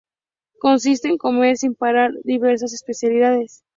Consiste en comer sin parar diversas especialidades.